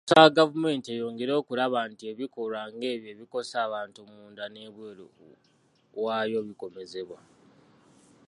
Tusaba gavumenti eyongere okulaba nti ebikolwa ng’ebyo ebikosa abantu munda n’ebweru waayo bikomezebwa.